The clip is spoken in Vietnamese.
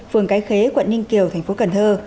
phường cái khế quận ninh kiều thành phố cần thơ